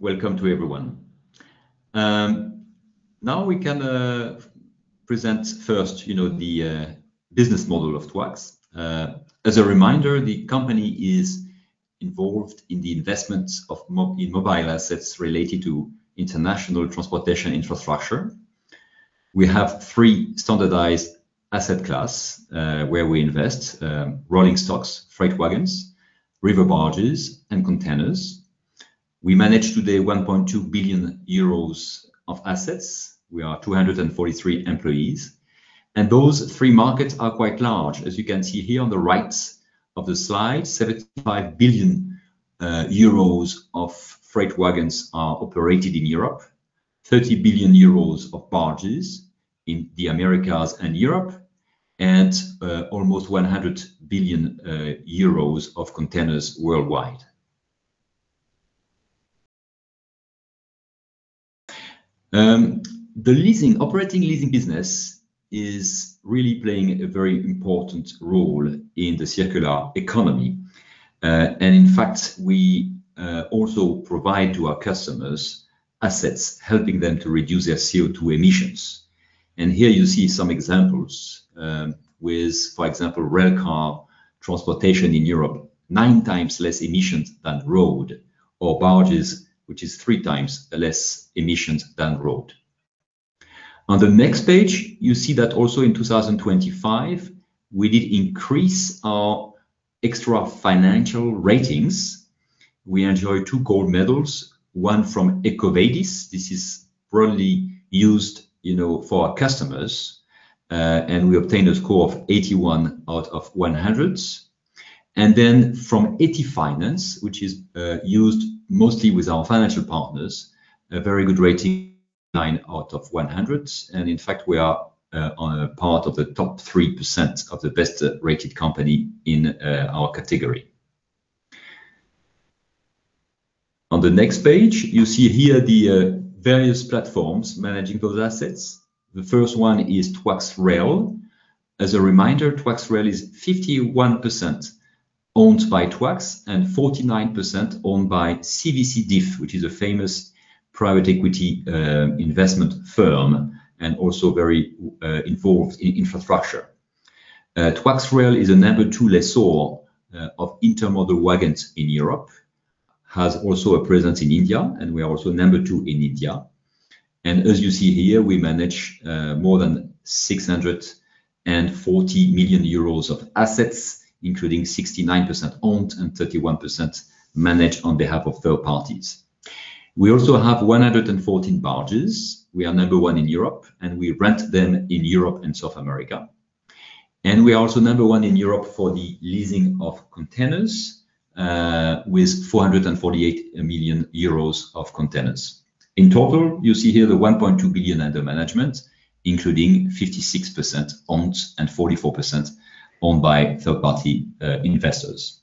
Welcome to everyone. Now we can present first, you know, the business model of Touax. As a reminder, the company is involved in the investment of in mobile assets related to international transportation infrastructure. We have three standardized asset class where we invest: rolling stocks, freight wagons, river barges, and containers. We manage today 1.2 billion euros of assets. We are 243 employees. Those three markets are quite large. As you can see here on the right of the slide, 75 billion euros of freight wagons are operated in Europe, 30 billion euros of barges in the Americas and Europe, and almost 100 billion euros of containers worldwide. The operating leasing business is really playing a very important role in the circular economy. In fact, we also provide to our customers assets helping them to reduce their CO2 emissions. Here you see some examples, with, for example, rail car transportation in Europe, nine times less emissions than road, or barges, which is three times less emissions then road. On the next page, you see that also in 2025, we did increase our extra-financial ratings. We enjoy two gold medals, one from EcoVadis. This is broadly used, you know, for our customers. We obtained a score of 81 out of 100. Then from EthiFinance, which is used mostly with our financial partners, a very good rating, nine out of 100. In fact, we are part of the top 3% of the best-rated companies in our category. On the next page, you see here the various platforms managing those assets. The first one is Touax Rail. As a reminder, Touax Rail is 51% owned by Touax and 49% owned by DIF, which is a famous private equity investment firm and also very involved in infrastructure. Touax Rail is a No. two lessor of intermodal wagons in Europe, has also a presence in India, and we are also No. two in India. As you see here, we manage more than 640 million euros of assets, including 69% owned and 31% managed on behalf of third parties. We also have 114 barges. We are No. one in Europe, and we rent them in Europe and South America. We are also number one in Europe for the leasing of containers with 448 million euros of containers. In total, you see here the 1.2 billion under management, including 56% owned and 44% owned by third-party investors.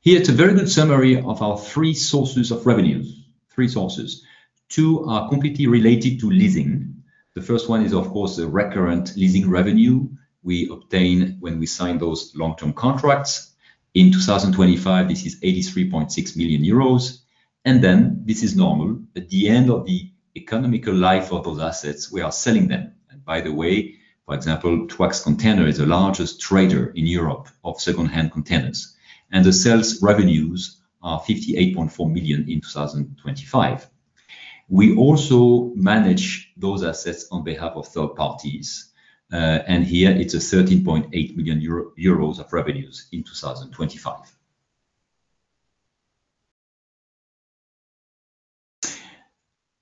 Here it's a very good summary of our three sources of revenues. Three sources. Two are completely related to leasing. The first one is, of course, the recurrent leasing revenue we obtain when we sign those long-term contracts. In 2025, this is 83.6 million euros. Then, this is normal, at the end of the economic life of those assets, we are selling them. By the way, for example, Touax Container is the largest trader in Europe of secondhand containers. The sales revenues are 58.4 million in 2025. We also manage those assets on behalf of third parties. Here it's 13.8 million euro of revenues in 2025.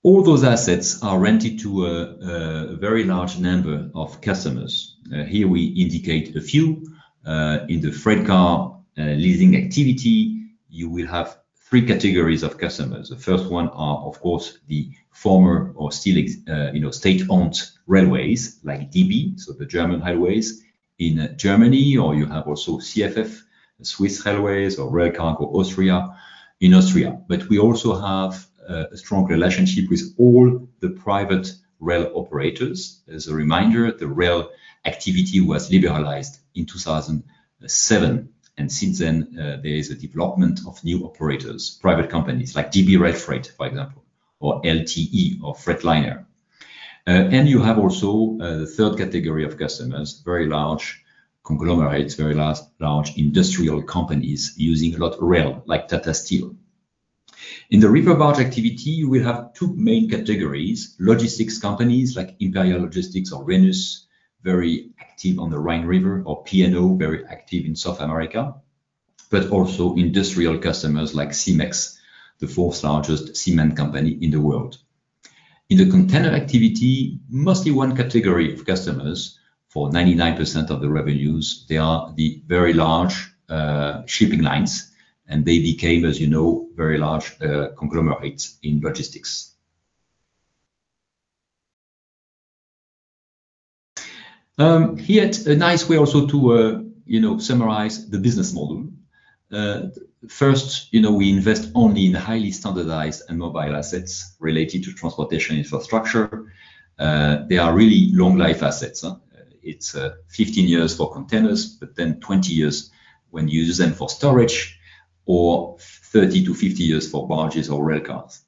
All those assets are rented to a very large number of customers. Here we indicate a few. In the freight car leasing activity, you will have three categories of customers. The first one are, of course, the former or still you know, state-owned railways like DB, so the German railways in Germany, or you have also CFF, Swiss Federal Railways, or Rail Cargo Austria in Austria. We also have a strong relationship with all the private rail operators. As a reminder, the rail activity was liberalized in 2007, and since then, there is a development of new operators, private companies like DB Cargo, for example, or LTE or Freightliner. You have also a third category of customers, very large conglomerates, very large industrial companies using a lot of rail, like Tata Steel. In the river barge activity, we have two main categories: logistics companies like Imperial Logistics or Rhenus, very active on the Rhine River, or PASA, very active in South America, but also industrial customers like Cemex, the fourth-largest cement company in the world. In the container activity, mostly one category of customers for 99% of the revenues. They are the very large shipping lines, and they became, as you know, very large conglomerates in logistics. Here it's a nice way also to, you know, summarize the business model. First, you know, we invest only in highly standardized and mobile assets related to transportation infrastructure. They are really long life assets. It's 15 years for containers, but then 20 years when you use them for storage or 30-50 years for barges or rail cars.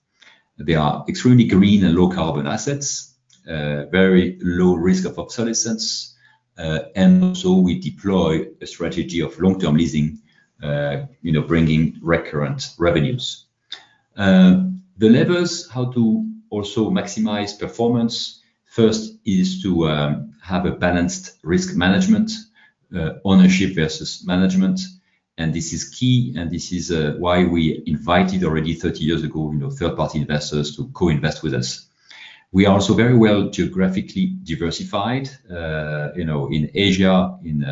They are extremely green and low carbon assets, very low risk of obsolescence. We deploy a strategy of long-term leasing, you know, bringing recurrent revenues. The levers, how to also maximize performance first is to have a balanced risk management, ownership versus management. This is key, and this is why we invited already 30 years ago, you know, third-party investors to co-invest with us. We are also very well geographically diversified, you know, in Asia, in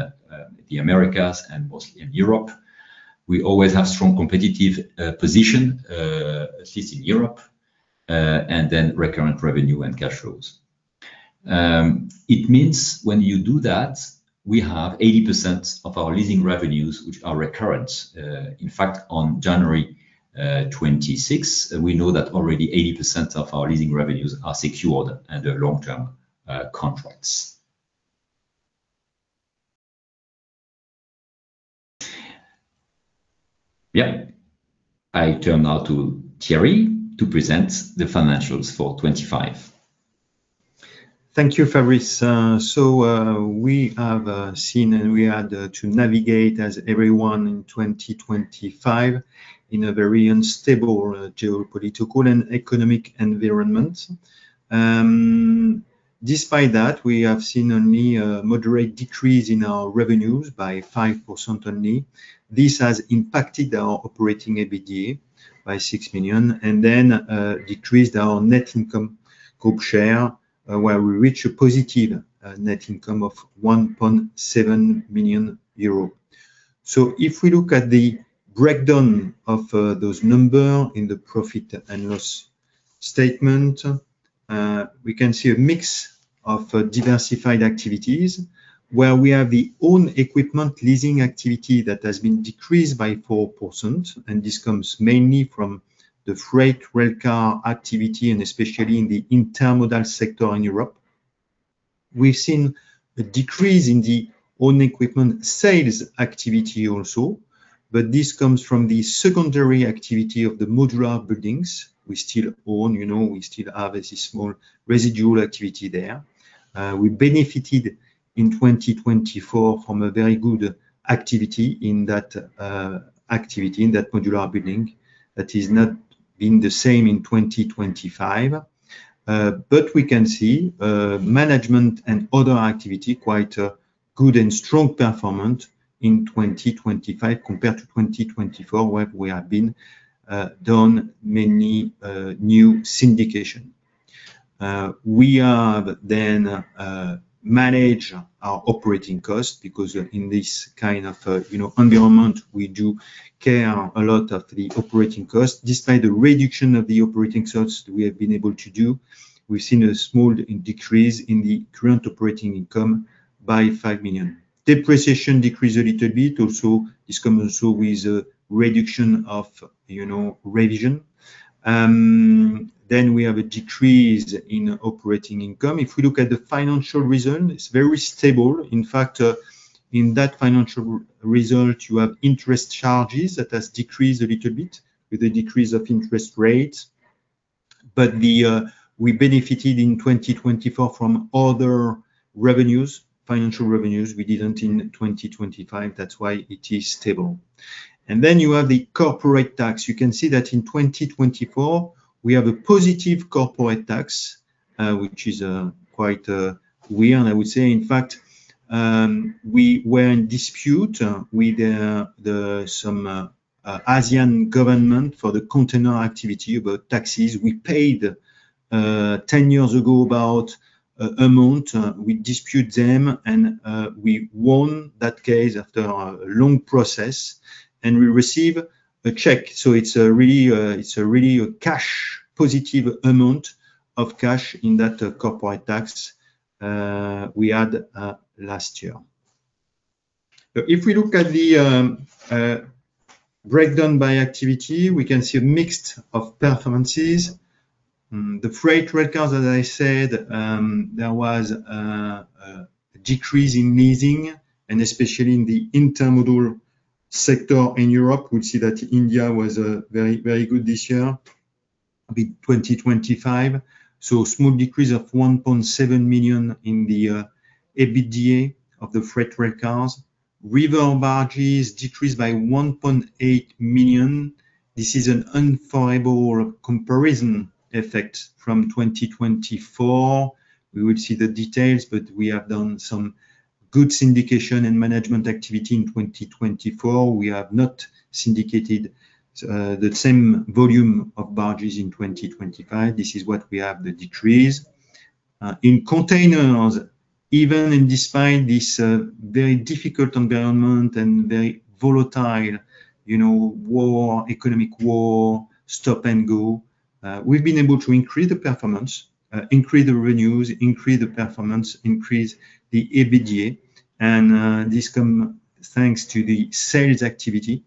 the Americas and mostly in Europe. We always have strong competitive position, at least in Europe, and then recurrent revenue and cash flows. It means when you do that, we have 80% of our leasing revenues, which are recurrent. In fact, on January 26th, we know that already 80% of our leasing revenues are secured under long-term contracts. Yeah. I turn now to Thierry to present the financials for 2025. Thank you, Fabrice. We have seen and we had to navigate as everyone in 2025 in a very unstable geopolitical and economic environment. Despite that, we have seen only a moderate decrease in our revenues by 5% only. This has impacted our operating EBITDA by 6 million and then decreased our net income group share, where we reach a positive net income of 1.7 million euro. If we look at the breakdown of those numbers in the profit and loss statement, we can see a mix of diversified activities where we have the own equipment leasing activity that has been decreased by 4%. This comes mainly from the freight railcar activity and especially in the intermodal sector in Europe. We've seen a decrease in the own equipment sales activity also, but this comes from the secondary activity of the modular buildings we still own. You know, we still have a small residual activity there. We benefited in 2024 from a very good activity in that modular building that has not been the same in 2025. We can see management and other activity quite a good and strong performance in 2025 compared to 2024, where we have done many new syndication. We have managed our operating costs because in this kind of you know, environment, we do care a lot about the operating costs. Despite the reduction of the operating costs we have been able to do, we've seen a small decrease in the current operating income by 5 million. Depreciation decreased a little bit also this comes also with a reduction of, you know, revision. Then we have a decrease in operating income. If we look at the financial result, it's very stable. In fact, in that financial result, you have interest charges that has decreased a little bit with the decrease of interest rates. But we benefited in 2024 from other revenues, financial revenues we didn't in 2025. That's why it is stable. Then you have the corporate tax. You can see that in 2024 we have a positive corporate tax, which is quite weird, I would say. In fact, we were in dispute with some Asian government for the container activity about taxes we paid 10 years ago, about an amount. We dispute them, and we won that case after a long process, and we receive a check. It's really a cash positive amount of cash in that corporate tax we had last year. If we look at the breakdown by activity, we can see a mix of performances. The freight railcars, as I said, there was a decrease in leasing and especially in the intermodal sector in Europe. We see that India was very, very good this year, in 2025. Small decrease of 1.7 million in the EBITDA of the freight railcars. River barges decreased by 1.8 million. This is an unfavorable comparison effect from 2024. We will see the details, but we have done some good syndication and management activity in 2024. We have not syndicated the same volume of barges in 2025. This is what we have the decrease. In containers, even and despite this, very difficult environment and very volatile, you know, war, economic war, stop and go, we've been able to increase the performance, increase the revenues, increase the performance, increase the EBITDA. This come thanks to the sales activity.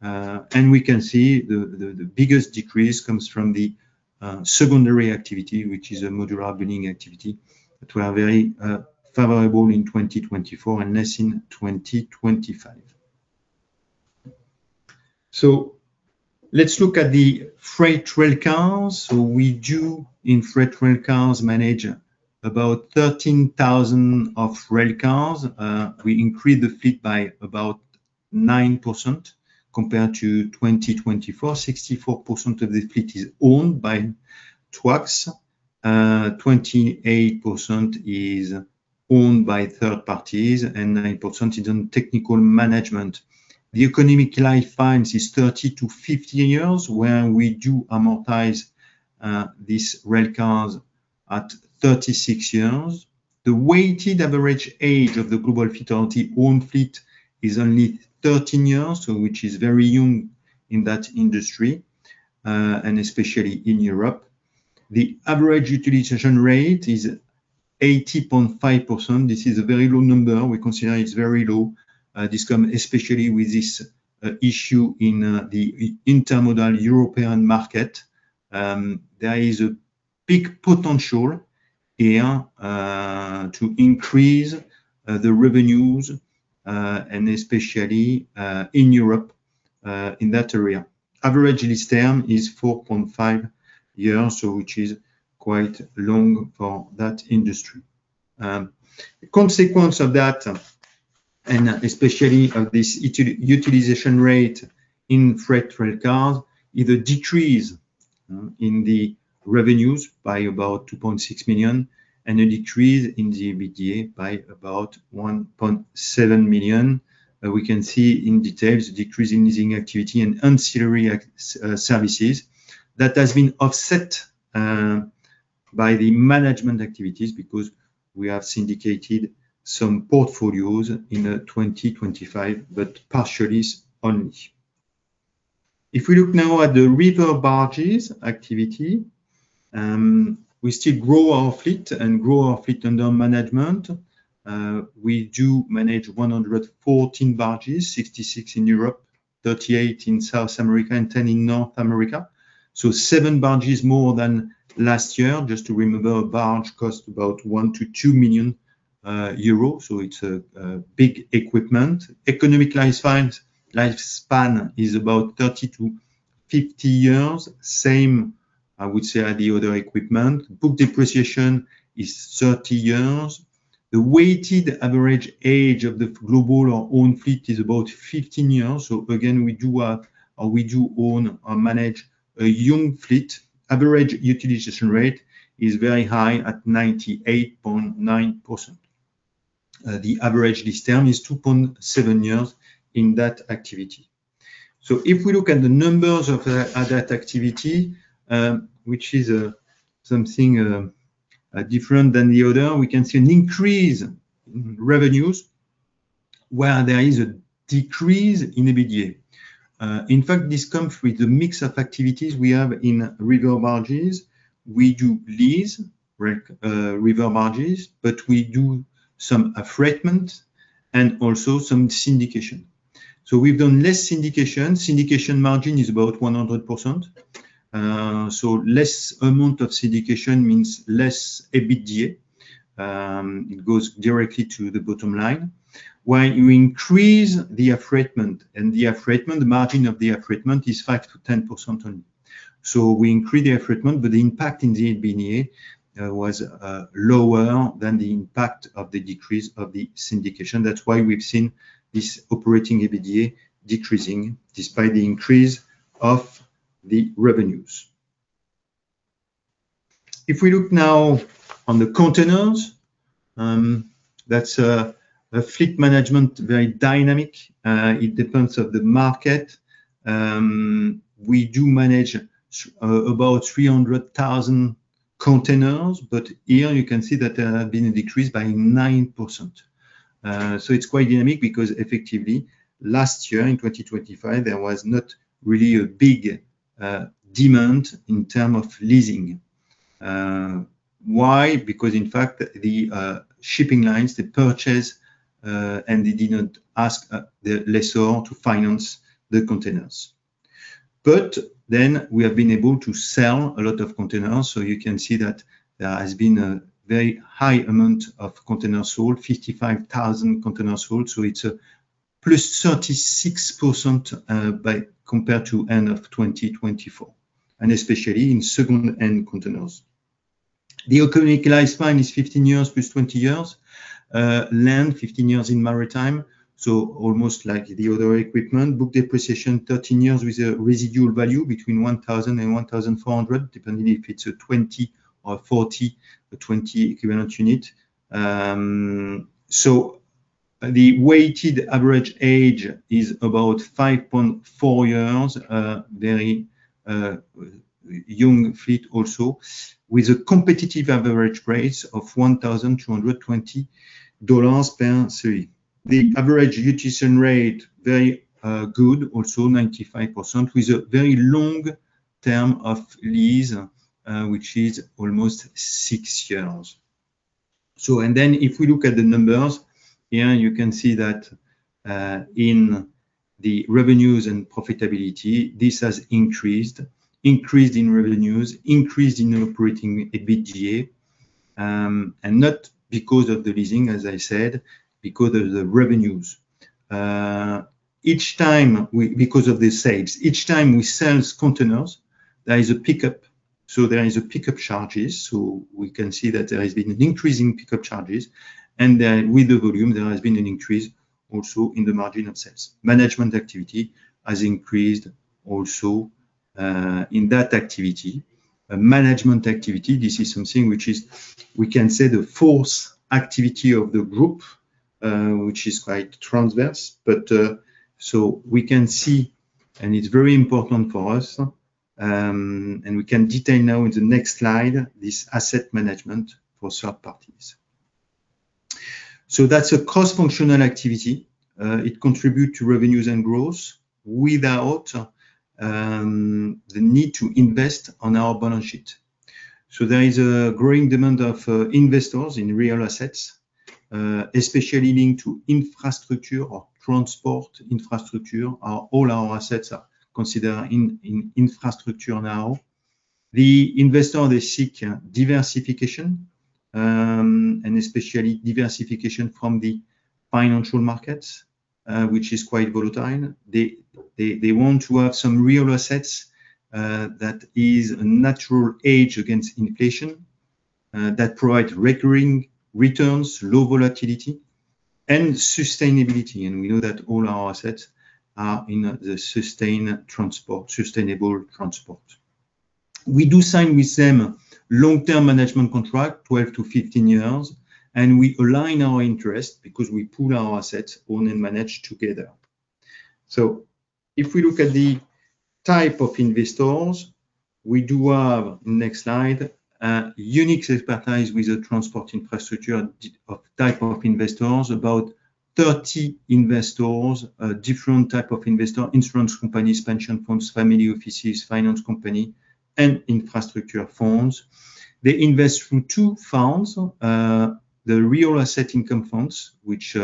We can see the biggest decrease comes from the secondary activity, which is a modular building activity that were very favorable in 2024 and less in 2025. Let's look at the freight railcars. We, in freight railcars, manage about 13,000 railcars. We increased the fleet by about 9% compared to 2024. 64% of the fleet is owned by Touax. 28% is owned by third parties, and 9% is in technical management. The economic life of this is 30-50 years, where we do amortize these railcars at 36 years. The weighted average age of the global fleet or owned fleet is only 13 years, which is very young in that industry, and especially in Europe. The average utilization rate is 80.5%. This is a very low number. We consider it's very low. This comes especially with this issue in the intermodal European market. There is a big potential here to increase the revenues, and especially in Europe, in that area. Average lease term is 4.5 years, which is quite long for that industry. Consequence of that, especially of this utilization rate in freight railcars, is a decrease in the revenues by about 2.6 million and a decrease in the EBITDA by about 1.7 million. We can see in details the decrease in leasing activity and ancillary services. That has been offset by the management activities because we have syndicated some portfolios in 2025, but partially only. If we look now at the river barges activity, we still grow our fleet under management. We do manage 114 barges, 66 in Europe, 38 in South America, and 10 in North America, so seven barges more than last year. Just to remember, a barge costs about 1-2 million euros, so it's a big equipment. Economic life lifespan is about 30-50 years. Same, I would say, as the other equipment. Book depreciation is 30 years. The weighted average age of the global or own fleet is about 15 years. Again, we do have, or we do own or manage a young fleet. Average utilization rate is very high at 98.9%. The average lease term is 2.7 years in that activity. If we look at the numbers of that activity, which is something different than the other, we can see an increase in revenues where there is a decrease in EBITDA. In fact, this comes with the mix of activities we have in river barges. We do lease river barges, but we do some affreightment and also some syndication. We've done less syndication. Syndication margin is about 100%. Less amount of syndication means less EBITDA. It goes directly to the bottom line. When you increase the affreightment, the affreightment margin is 5%-10% only. We increase the affreightment, but the impact in the EBITDA was lower than the impact of the decrease of the syndication. That's why we've seen this operating EBITDA decreasing despite the increase of the revenues. If we look now on the containers, that's a fleet management, very dynamic. It depends on the market. We manage about 300,000 containers, but here you can see that there has been a decrease by 9%. It's quite dynamic because effectively last year in 2025, there was not really a big demand in terms of leasing. Why? Because in fact the shipping lines, they purchase, and they didn't ask the lessor to finance the containers. We have been able to sell a lot of containers, so you can see that there has been a very high amount of containers sold, 55,000 containers sold, so it's +36% compared to end of 2024, and especially in second-hand containers. The economic life span is 15 years plus 20 years. 15 years in maritime, so almost like the other equipment. Book depreciation, 13 years with a residual value between $1,000 and $1,400, depending if it's a 20 or 40 or TEU. The weighted average age is about 5.4 years, very young fleet also, with a competitive average rates of $1,220 per TEU. The average utilization rate, very good also 95%, with a very long-term of lease, which is almost six years. If we look at the numbers, here you can see that, in the revenues and profitability, this has increased. Increased in revenues, increased in operating EBITDA, and not because of the leasing, as I said, because of the revenues. Because of the sales, each time we sell containers, there is a pick-up. There is pick-up charges. We can see that there has been an increase in pick-up charges. With the volume, there has been an increase also in the margin of sales. Management activity has increased also in that activity. Management activity, this is something which is, we can say, the fourth activity of the group, which is quite transversal. We can see, and it's very important for us, and we can detail now in the next slide, this asset management for third parties. That's a cross-functional activity. It contribute to revenues and growth without the need to invest on our balance sheet. There is a growing demand of investors in real assets, especially linked to infrastructure or transport infrastructure. All our assets are considered in infrastructure now. The investor, they seek diversification, and especially diversification from the financial markets, which is quite volatile. They want to have some real assets that is a natural hedge against inflation that provide recurring returns, low volatility and sustainability. We know that all our assets are in the sustainable transport. We do sign with them long-term management contract, 12-15 years, and we align our interests because we pool our assets, own and manage together. If we look at the type of investors, we do have, next slide, a unique expertise with the transport infrastructure of type of investors. About 30 investors, different type of investor, insurance companies, pension funds, family offices, finance company, and infrastructure funds. They invest through two funds. The real asset income funds, which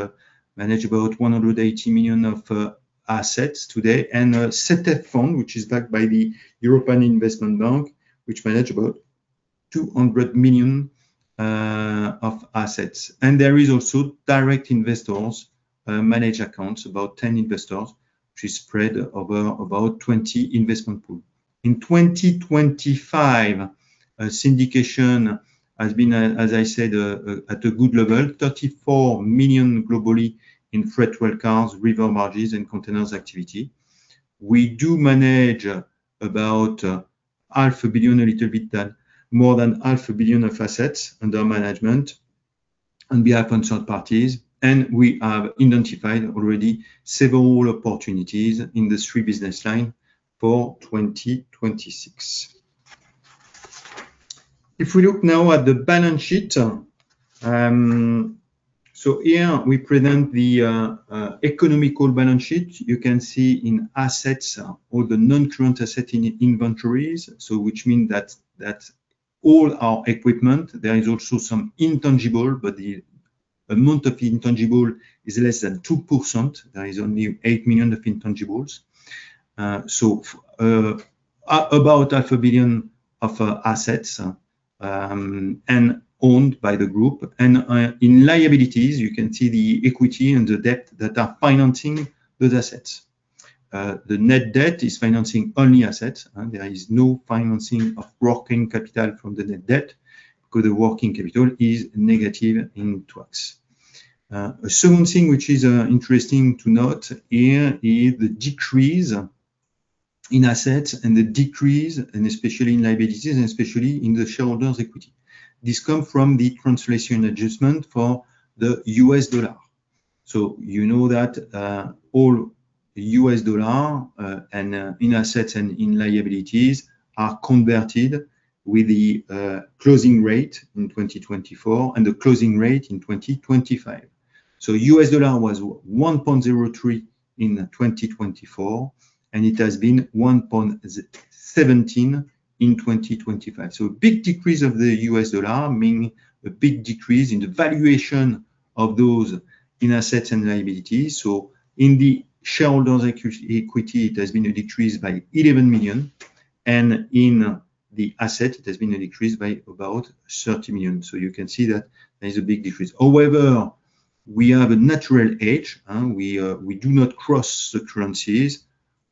manage about 180 million of assets today, and a set-up fund, which is backed by the European Investment Bank, which manage about 200 million of assets. There is also direct investor managed accounts, about 10 investors, which is spread over about 20 investment pools. In 2025, syndication has been, as I said, at a good level, 34 million globally in freight railcars, river barges and containers activity. We do manage more than half a billion of assets under management on behalf of third parties, and we have identified already several opportunities in these three business lines for 2026. If we look now at the balance sheet. So here we present the economic balance sheet. You can see in assets all the non-current assets in inventories, which means that all our equipment. There is also some intangibles, but the amount of intangibles is less than 2%. There is only 8 million of intangibles. About 500 million of assets and owned by the group. In liabilities, you can see the equity and the debt that are financing those assets. The net debt is financing only assets, and there is no financing of working capital from the net debt, because the working capital is negative in Touax. A second thing which is interesting to note here is the decrease in assets and especially in liabilities, and especially in the shareholders' equity. This comes from the translation adjustment for the U.S. dollar. You know that all U.S. dollar and in assets and in liabilities are converted with the closing rate in 2024 and the closing rate in 2025. U.S. dollar was 1.03 in 2024, and it has been 1.017 in 2025. A big decrease of the U.S. dollar, meaning a big decrease in the valuation of those in assets and liabilities. In the shareholders equity, it has been a decrease by 11 million. In the asset, it has been a decrease by about 30 million. You can see that there is a big difference. However, we have a natural hedge, and we do not cross the currencies.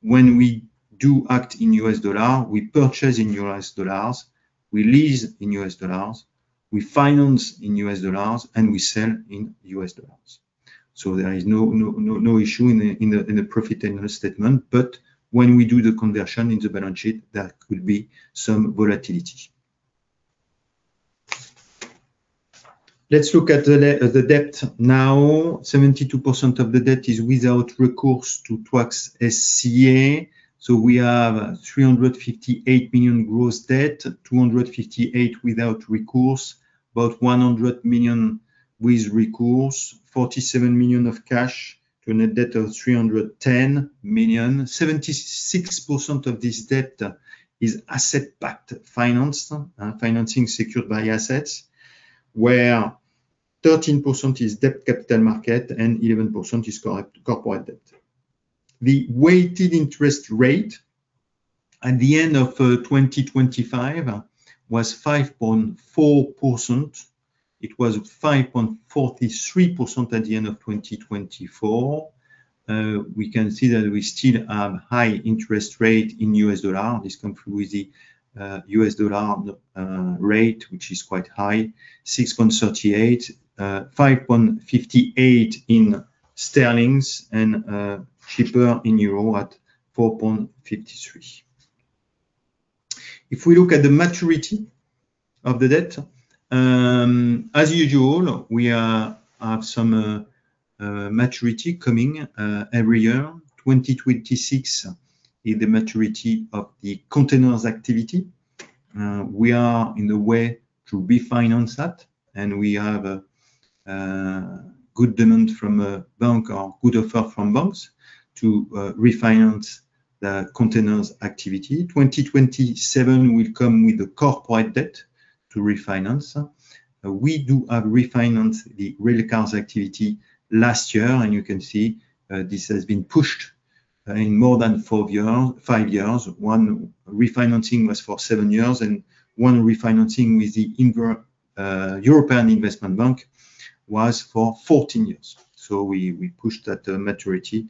When we do act in U.S. dollar, we purchase in U.S. dollars, we lease in U.S. dollars, we finance in U.S. dollars, and we sell in US dollars. There is no issue in the profit and loss statement. When we do the conversion in the balance sheet, there could be some volatility. Let's look at the debt now. 72% of the debt is without recourse to Touax SCA. We have 358 million gross debt, 258 million without recourse, about 100 million with recourse, 47 million of cash. To a net debt of 310 million. 76% of this debt is asset-backed financing secured by assets, where 13% is debt capital market and 11% is corporate debt. The weighted interest rate at the end of 2025 was 5.4%. It was 5.43% at the end of 2024. We can see that we still have high interest rate in U.S. dollar. This comes from the U.S. dollar rate, which is quite high, 6.38%, 5.58 in sterlings, and cheaper in euro at 4.53%. If we look at the maturity of the debt, as usual, we have some maturity coming every year. 2026 is the maturity of the containers activity. We are on the way to refinance that, and we have a good demand from a bank or good offer from banks to refinance the containers activity. 2027 will come with a corporate debt to refinance. We do have refinance the railcars activity last year, and you can see this has been pushed in more than five years. One refinancing was for seven years, and one refinancing with the European Investment Bank was for 14 years. We pushed that maturity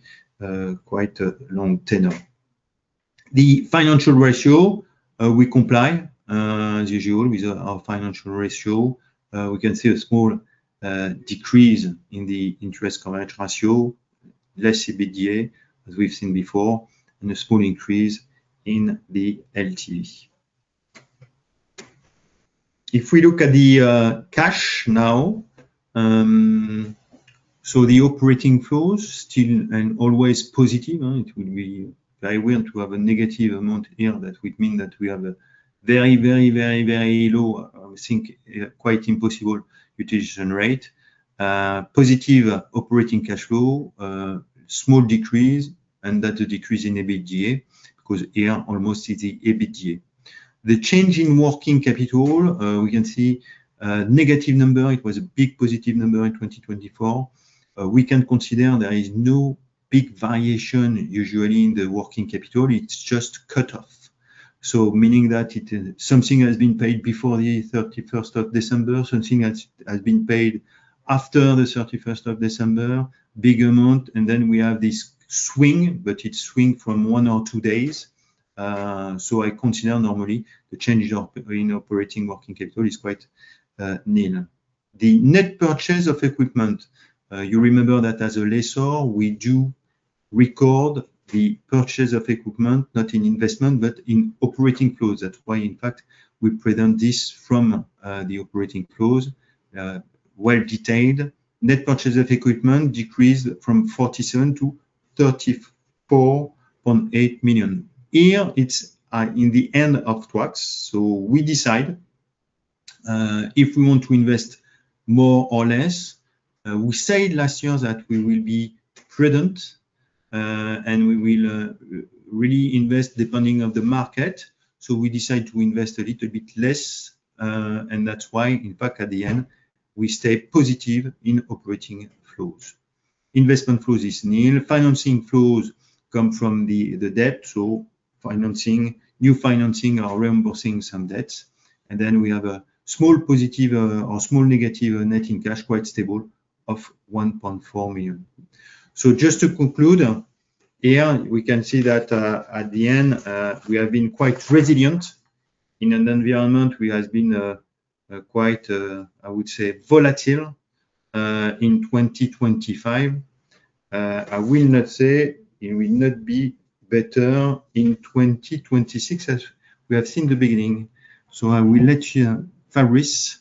quite a long tenure. The financial ratio we comply as usual with our financial ratio. We can see a small decrease in the interest coverage ratio, less EBITDA, as we've seen before, and a small increase in the LTV. If we look at the cash flow, the operating flows still and always positive. It would be very weird to have a negative amount here. That would mean that we have a very low, I think, quite impossible utilization rate. Positive operating cash flow, small decrease, and that's a decrease in EBITDA, because here almost is the EBITDA. The change in working capital, we can see a negative number. It was a big positive number in 2024. We can consider there is no big variation usually in the working capital. It's just cut off, so meaning that something has been paid before the 31st of December, something has been paid after the 31st of December. Big amount, and then we have this swing, but it swings from one or two days. I consider normally the change in operating working capital is quite nil. The net purchase of equipment, you remember that as a lessor, we do record the purchase of equipment, not in investment, but in operating flows. That's why, in fact, we present this from the operating flows, well detailed. Net purchase of equipment decreased from 47 million to 34.8 million. Here, it's in the end of tax, so we decide if we want to invest more or less. We said last year that we will be prudent, and we will really invest depending on the market. We decide to invest a little bit less, and that's why, in fact, at the end, we stay positive in operating flows. Investment flows is nil. Financing flows come from the debt, so financing, new financing or reimbursing some debts. We have a small positive or small negative net cash, quite stable, of 1.4 million. Just to conclude, here, we can see that, at the end, we have been quite resilient in an environment which has been, quite, I would say, volatile, in 2025. I will not say it will not be better in 2026 as we have seen the beginning. I will let Fabrice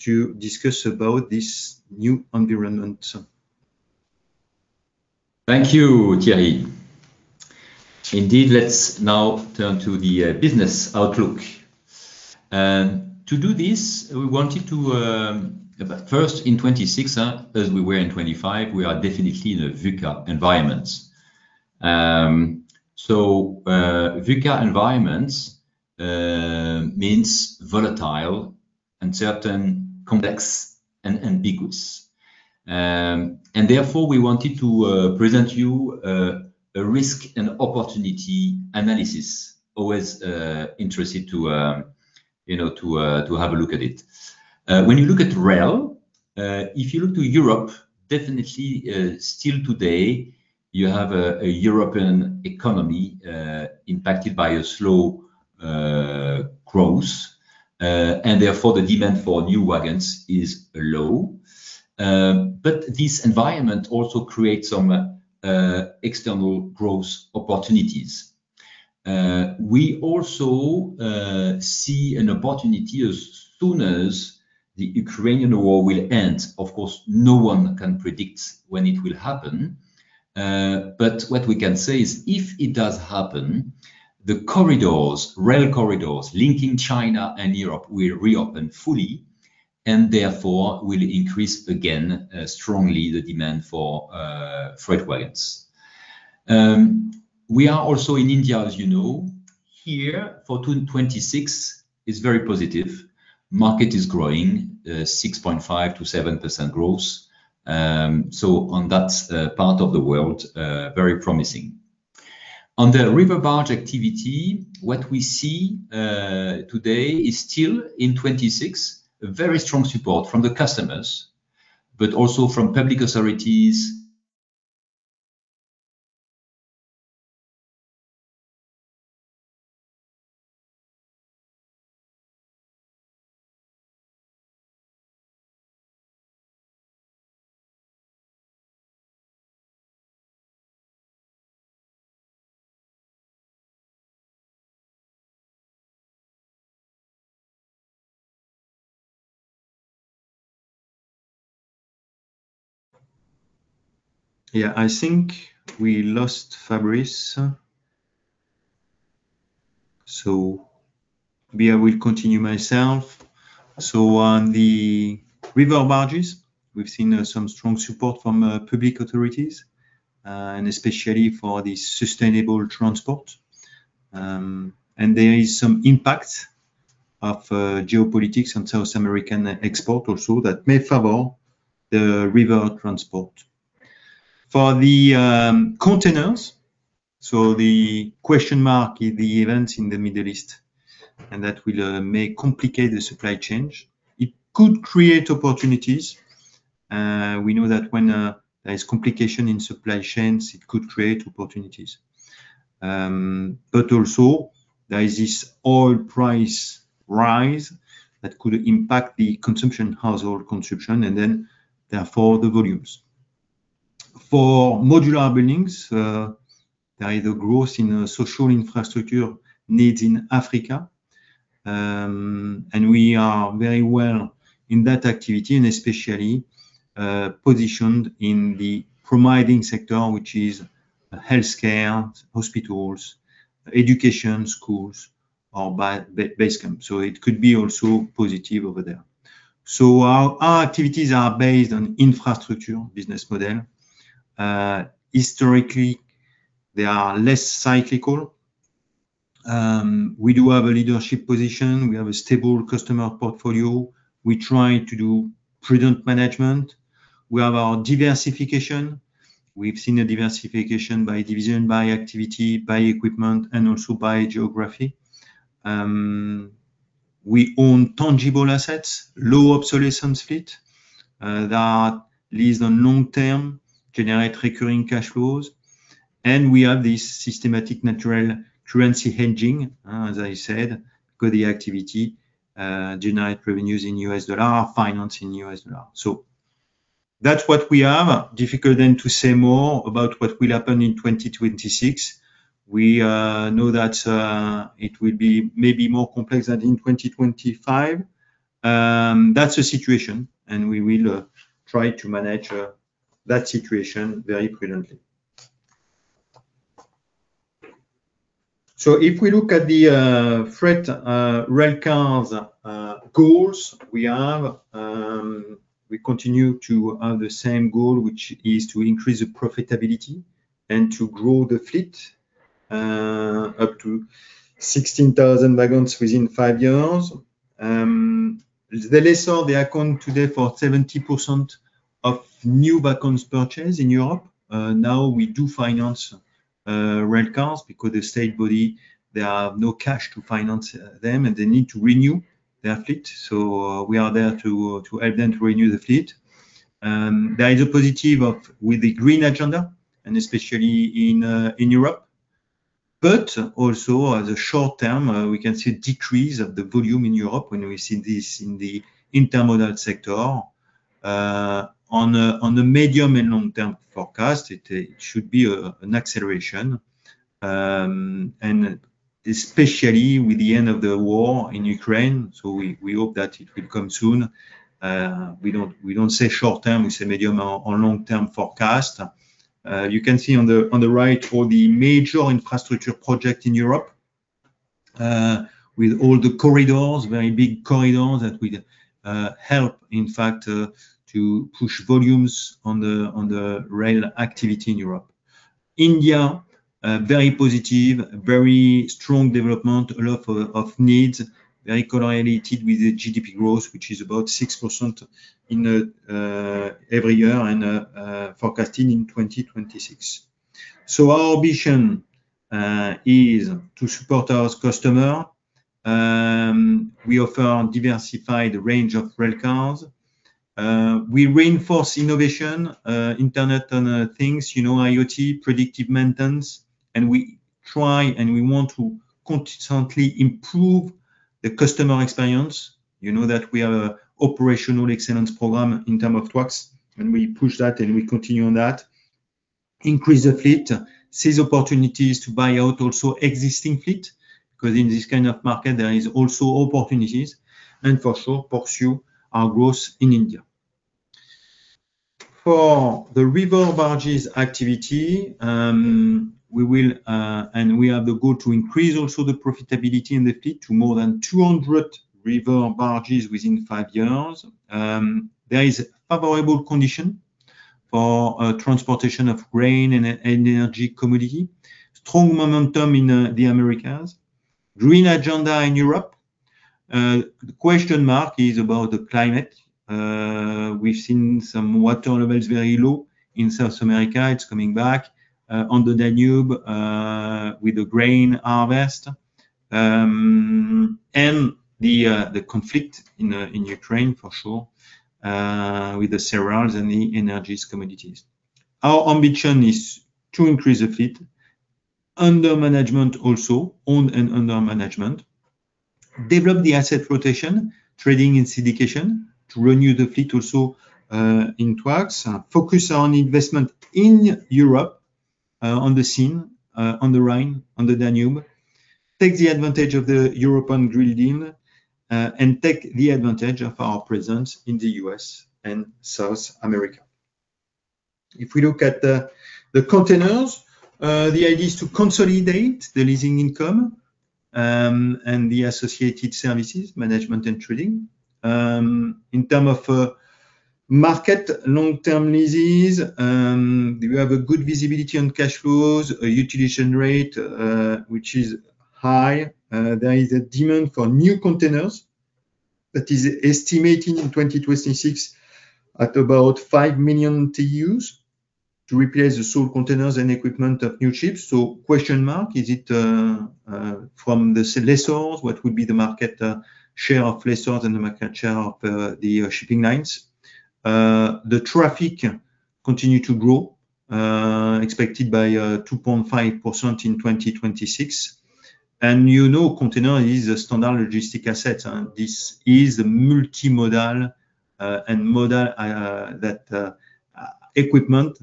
to discuss about this new environment. Thank you, Thierry. Indeed, let's now turn to the business outlook. To do this, we wanted to first in 2026, as we were in 2025, we are definitely in a VUCA environment. VUCA environment means volatile, uncertain, complex, and ambiguous. Therefore, we wanted to present you a risk and opportunity analysis. Always interested to you know to have a look at it. When you look at rail, if you look to Europe, definitely still today, you have a European economy impacted by a slow growth and therefore the demand for new wagons is low. But this environment also creates some external growth opportunities. We also see an opportunity as soon as the Ukrainian war will end. Of course, no one can predict when it will happen. What we can say is if it does happen, the corridors, rail corridors linking China and Europe will reopen fully. Therefore will increase again, strongly the demand for freight wagons. We are also in India, as you know. Here for 2026 is very positive. Market is growing, 6.5%-7% growth. On that part of the world, very promising. On the river barge activity, what we see today is still in 2026, a very strong support from the customers, but also from public authorities. I think we lost Fabrice. Me, I will continue myself. On the river barges, we've seen some strong support from public authorities, and especially for the sustainable transport. There is some impact of geopolitics on South American export also that may favor the river transport. For the containers, the question mark is the events in the Middle East, and that may complicate the supply chain. It could create opportunities. We know that when there's complication in supply chains, it could create opportunities. Also there is this oil price rise that could impact the consumption, household consumption and then therefore the volumes. For modular buildings, there is a growth in social infrastructure needs in Africa, and we are very well in that activity and especially positioned in the provisioning sector, which is healthcare, hospitals, education, schools, or base camp. It could be also positive over there. Our activities are based on infrastructure business model. Historically, they are less cyclical. We do have a leadership position. We have a stable customer portfolio. We try to do prudent management. We have our diversification. We've seen a diversification by division, by activity, by equipment, and also by geography. We own tangible assets, low obsolescence fleet, that lease on long-term, generate recurring cash flows. We have this systematic natural currency hedging, as I said, because the activity, generate revenues in U.S. dollar, finance in U.S. dollar. That's what we have. Difficult then to say more about what will happen in 2026. We know that it will be maybe more complex than in 2025. That's the situation, and we will try to manage that situation very prudently. If we look at the freight railcars goals we have, we continue to have the same goal, which is to increase the profitability and to grow the fleet up to 16,000 wagons within five years. Lessors account for 70% of new wagons purchased in Europe. Now we do finance railcars because the state bodies, they have no cash to finance them, and they need to renew their fleet. We are there to help them to renew the fleet. There is a positive with the green agenda and especially in Europe. Also in the short term, we can see a decrease of the volume in Europe when we see this in the intermodal sector. On a medium- and long-term forecast, it should be an acceleration. Especially with the end of the war in Ukraine, we hope that it will come soon. We don't say short term, we say medium- or long-term forecast. You can see on the right all the major infrastructure project in Europe, with all the corridors, very big corridors that will help in fact to push volumes on the rail activity in Europe. In India, very positive, very strong development, a lot of needs, very correlated with the GDP growth, which is about 6% every year and forecasting in 2026. Our ambition is to support our customer. We offer a diversified range of railcars. We reinforce innovation, Internet of things, you know, IoT, predictive maintenance, and we try and we want to constantly improve the customer experience. You know that we have an operational excellence program in terms of Touax, and we push that, and we continue on that. Increase the fleet, seize opportunities to buy out also existing fleet, because in this kind of market, there is also opportunities, and for sure pursue our growth in India. For the river barges activity, we will, and we have the goal to increase also the profitability in the fleet to more than 200 river barges within five years. There is favorable condition for transportation of grain and energy commodity. Strong momentum in the Americas. Green agenda in Europe. The question mark is about the climate. We've seen some water levels very low in South America. It's coming back on the Danube with the grain harvest, and the conflict in Ukraine for sure, with the cereals and the energy commodities. Our ambition is to increase the fleet under management also, owned and under management. Develop the asset rotation, trading and syndication to renew the fleet also in tracks. Focus on investment in Europe, on the Seine, on the Rhine, on the Danube. Take the advantage of the European Green Deal, and take the advantage of our presence in the U.S. and South America. If we look at the containers, the idea is to consolidate the leasing income, and the associated services, management and trading. In terms of market long-term leases, we have a good visibility on cash flows, a utilization rate which is high. There is a demand for new containers that is estimating in 2026 at about 5 million TEUs to replace the old containers and equipment of new ships. Question, is it from the lessors, what would be the market share of lessors and the market share of the shipping lines? The traffic continue to grow, expected by 2.5% in 2026. You know, container is a standard logistics asset, and this is an intermodal equipment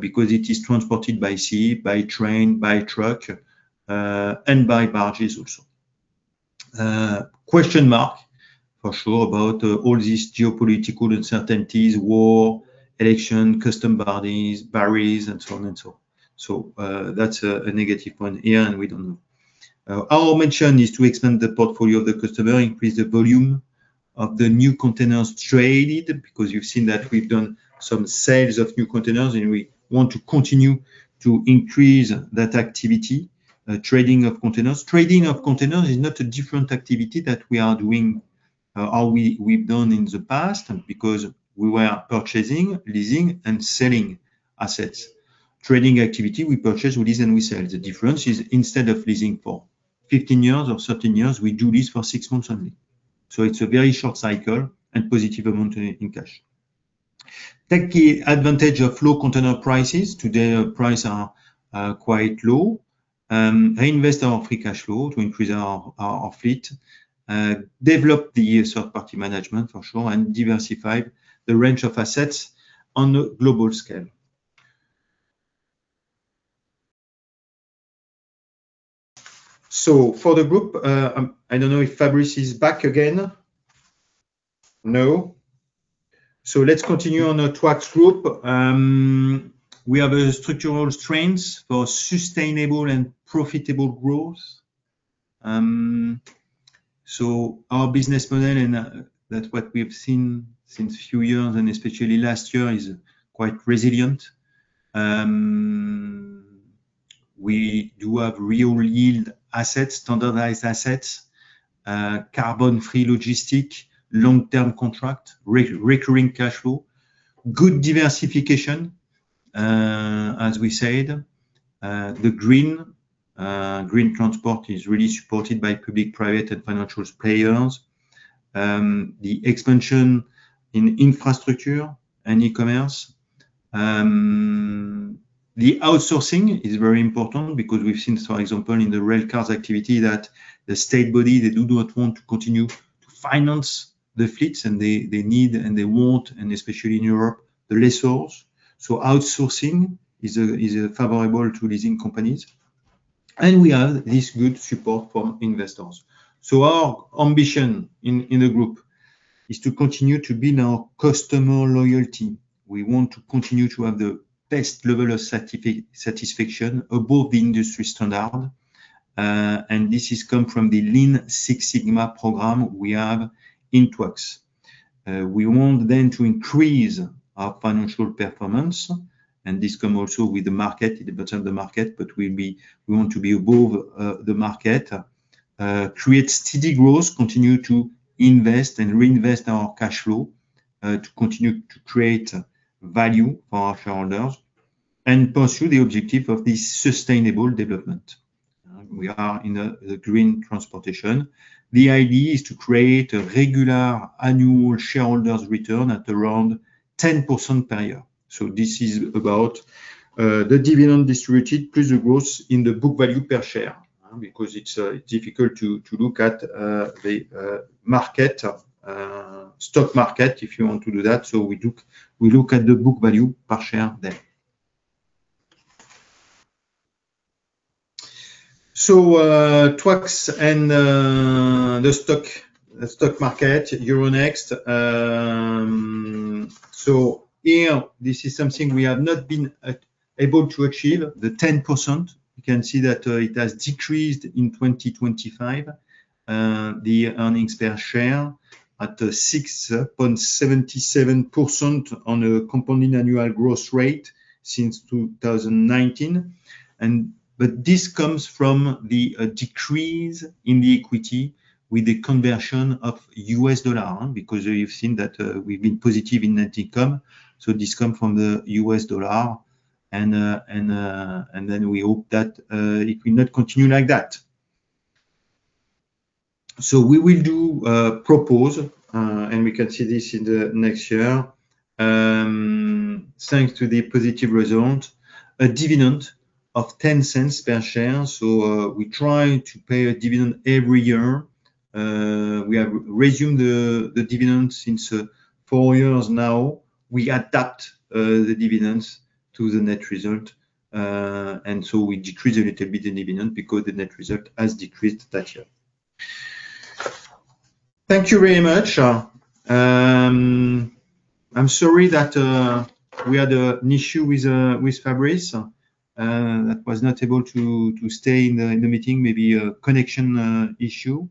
because it is transported by sea, by train, by truck, and by barges also. Question for sure about all these geopolitical uncertainties, war, election, customs barriers, and so on. That's a negative point here, and we don't know. Our mission is to expand the portfolio of the customer, increase the volume of the new containers traded, because you've seen that we've done some sales of new containers, and we want to continue to increase that activity, trading of containers. Trading of containers is not a different activity that we've done in the past, because we were purchasing, leasing, and selling assets. Trading activity, we purchase, we lease, and we sell. The difference is instead of leasing for 15 years or 13 years, we do this for 6 months only. It's a very short cycle and positive amount in cash. Take the advantage of low container prices. Today, our prices are quite low. Reinvest our free cash flow to increase our fleet. Develop the use of third-party management for sure, and diversify the range of assets on a global scale. For the group, I don't know if Fabrice is back again. No. Let's continue on our Touax Group. We have structural strengths for sustainable and profitable growth. Our business model and that's what we've seen since few years and especially last year is quite resilient. We do have real yield assets, standardized assets, carbon-free logistics, long-term contract, recurring cash flow, good diversification, as we said. The green transport is really supported by public, private, and financial players. The expansion in infrastructure and e-commerce. The outsourcing is very important because we've seen, for example, in the rail cars activity that the state body, they do not want to continue to finance the fleets, and they need and they want, and especially in Europe, the lessors. Outsourcing is favorable to leasing companies. We have this good support from investors. Our ambition in the group is to continue to build our customer loyalty. We want to continue to have the best level of satisfaction above the industry standard. This has come from the Lean Six Sigma program we have in Touax. We want then to increase our financial performance, and this come also with the market, the bottom of the market, but we want to be above the market. Create steady growth, continue to invest and reinvest our cash flow, to continue to create value for our shareholders and pursue the objective of this sustainable development. We are in the green transportation. The idea is to create a regular annual shareholders return at around 10% per year. This is about the dividend distributed plus the growth in the book value per share, because it's difficult to look at the stock market, if you want to do that. We look at the book value per share then. Touax and the stock market, Euronext. Here, this is something we have not been able to achieve, the 10%. You can see that it has decreased in 2025. The earnings per share at 6.77% on a compounded annual growth rate since 2019. This comes from the decrease in the equity with the conversion of U.S. dollar, because you've seen that we've been positive in net income. This come from the U.S. dollar and then we hope that it will not continue like that. We will propose and we can see this in the next year, thanks to the positive result, a dividend of €0.10 per share. We try to pay a dividend every year. We have resumed the dividend since four years now. We adapt the dividends to the net result and so we decrease a little bit in dividend because the net result has decreased that year. Thank you very much. I'm sorry that we had an issue with Fabrice that was not able to stay in the meeting. Maybe a connection issue.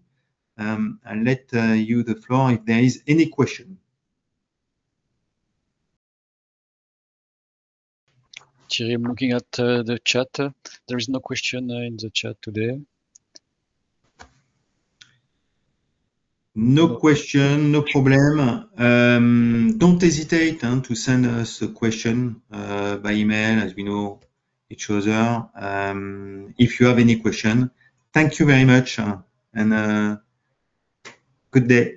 I let you the floor if there is any question. Thierry, I'm looking at the chat. There is no question in the chat today. No question, no problem. Don't hesitate to send us a question by email, as we know each other, if you have any question. Thank you very much, and good day.